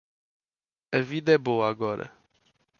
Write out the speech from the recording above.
A vida é boa agora.